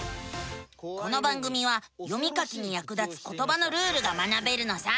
この番組は読み書きにやく立つことばのルールが学べるのさ。